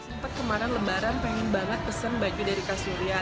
sempat kemarin lebaran pengen banget pesan baju dari kak surya